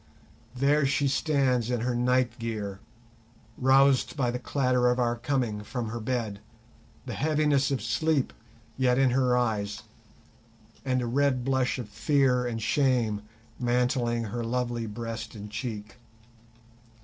There she stands in her night gear, roused, by the clatter of our coming, from her bed, the heaviness of sleep yet in her eyes, and a red blush of fear and shame mantling her lovely breast and cheek.